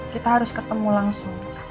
kita harus ketemu langsung